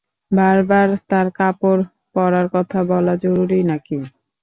বার বার তার কাপড় পরার কথা বলা জরুরী নাকি?